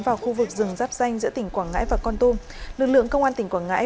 vào khu vực rừng rắp danh giữa tỉnh quảng ngãi và con tum lực lượng công an tỉnh quảng ngãi